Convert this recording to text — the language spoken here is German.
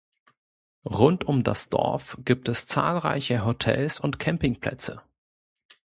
Rund um das Dorf gibt es zahlreiche Hotels und Campingplätze.